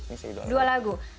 ini sih dua lagu